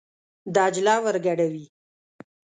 دجله ور ګډوي.